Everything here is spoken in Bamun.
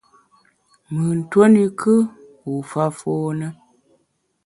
Mùn tuo ne kù, u fa fône.